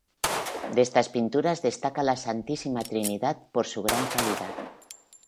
De estas pinturas destaca la santísima trinidad por su gran calidad.